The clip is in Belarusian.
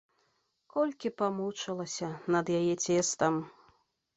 Колькі памучылася над яе цестам!